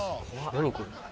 何これ？